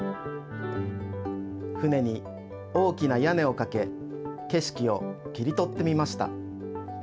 船に大きなやねをかけけしきを切りとってみました。